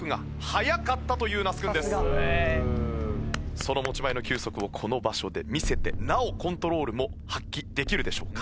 その持ち前の球速をこの場所で見せてなおコントロールも発揮できるでしょうか？